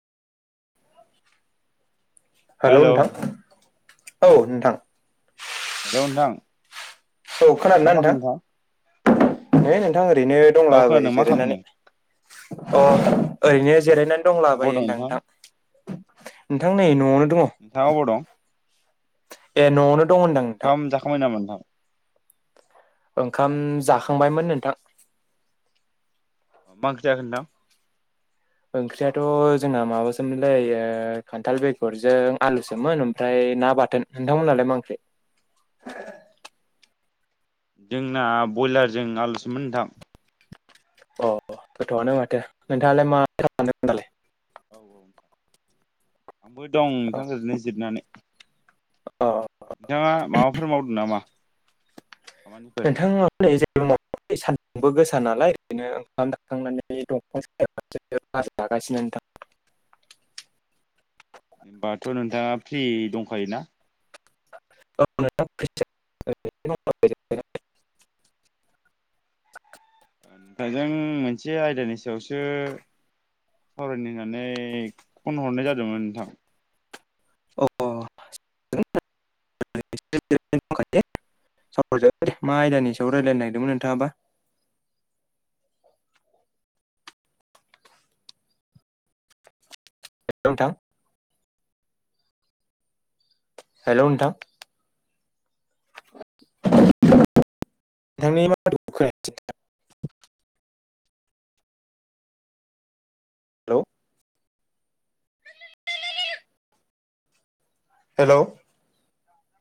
हेल' hello नोंथां औ नोंथां। हेल' नोंथां। औ अ खोनादों मा ना खालामदों नोंथां नोंथां हैै नोंथां ओरैनो औ दंलाबायो खोनादों मा जिरायनानै। खालामदों अ' ओरैनो अ जिरायनानै अबाव दंलाबायो दं होनदां नोंथां। नोंथां नै न'आवनो दङ। नोंथाङा अबाव दं ए आदसा न'आवनो दं होनदां नोंथां ओंखाम जाखांबाय नामा नोंथां? ओंखाम जाखांबायमोन नोंथां। मा ओंख्रि जाखो नोंथां? ओंख्रियाथ' जोंना माबासोमोनलै ओ खान्थाल बेगरजों आलुसोमोन ओमफ्राय ना बाथोन। नोंथांमोनहालाय मा ओंख्रि? जोंना बयलारजों आलुसोमोन नोंथां। अ' गोथाव आनो माथो नोंथाङालाय मा खालामदों दालाय आंबो दं अ नोंथां ओरैनो जिरनानै। अ'। नोंथांङा माबाफोर मावदों नामा खामानिफोर नोंथां आं नै जेबो मावथवाखै सानदुंबो गोसा नालाय ओंखायनो ओंखाम जाखांनानै दंफां सायावसो [unintelligible] बार जागासिनो नोथां होनोमबाथ' नोंथाङा फ्रि दंखायोना [unintelligible] नोंथांजों मोनसे आयदानि सायावसो सावरायनो होननानै फन हरनाय जादोंमोन नोंथां अ [unintelligible] [unintelligible] मा आयदानि सायाव रायल्लायनो नागिरदोंमोन नोंथाङाबा नोंथां हेलौ नोंथां नोंथांनि [unintelligible] हेलौ हेलौ